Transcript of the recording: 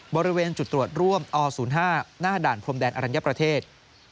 บริเวณจุดตรวจร่วมอ๐๕หน้าด่านพรมแดนอรัญญประเทศ